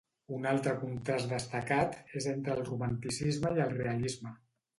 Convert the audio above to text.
Un altre contrast destacat és entre el romanticisme i el realisme.